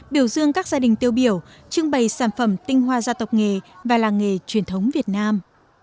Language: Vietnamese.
biểu dương các gia đình tiêu biểu trưng bày sản phẩm tinh hoa gia tộc nghề và làng nghề truyền thống việt nam